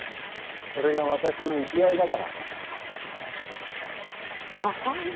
それが私の生きがいだから。